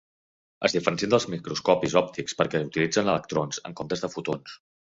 Es diferencia dels microscopis òptics perquè utilitzen electrons en comptes de fotons.